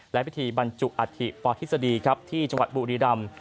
และพิธีบรรจุอธิปธิสดีที่จังหวัดบุรีร่ำ